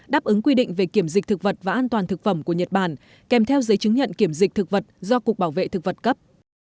đáp ứng quy định về kiểm dịch thực vật và an toàn thực phẩm của nhật bản kèm theo giấy chứng nhận kiểm dịch thực vật do cục bảo vệ thực vật cấp